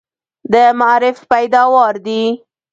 د معارف پیداوار دي.